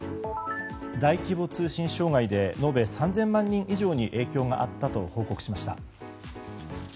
大規模通信障害で延べ３０００万人以上に影響があったと報告しました。